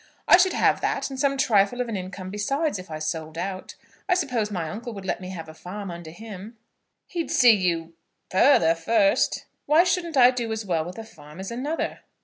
I should have that and some trifle of an income besides if I sold out. I suppose my uncle would let me have a farm under him?" "He'd see you further first." "Why shouldn't I do as well with a farm as another?"